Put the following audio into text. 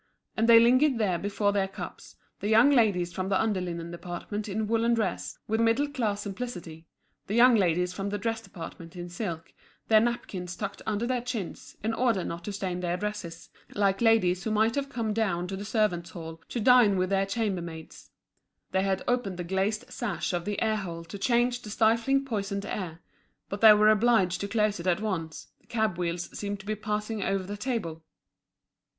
And they lingered there before their cups, the young ladies from the under linen department in woollen dresses, with a middle class simplicity, the young ladies from the dress department in silk, their napkins tucked under their chins, in order not to stain their dresses, like ladies who might have come down to the servants' hall to dine with their chamber maids. They had opened the glazed sash of the airhole to change the stifling poisoned air; but they were obliged to close it at once, the cab wheels seemed to be passing over the table.